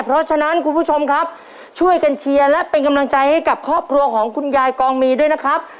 เพราะฉะนั้นคุณผู้ชมครับช่วยกันเชียร์และเป็นกำลังใจให้กับครอบครัวของคุณยายกองมีด้วยนะครับ